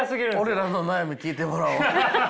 俺らの悩み聞いてもらおう。